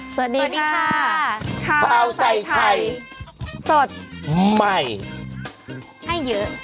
สวัสดีค่ะข้าวใส่ไข่สดใหม่ให้เยอะ